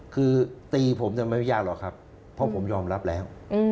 คือตีผมเนี่ยไม่ยากหรอกครับเพราะผมยอมรับแล้ว